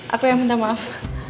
aku yang minta maaf